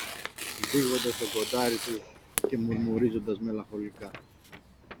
μπήγοντας το κοντάρι του και μουρμουρίζοντας μελαγχολικά